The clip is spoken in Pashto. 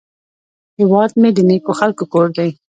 هیواد مې د نیکو خلکو کور دی